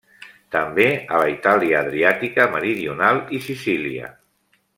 També a la Itàlia adriàtica meridional i Sicília.